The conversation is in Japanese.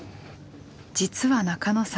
実は中野さん